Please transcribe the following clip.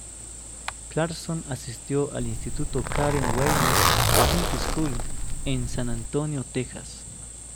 Clarkson asistió al instituto "Karen Wagner High School" en San Antonio, Texas.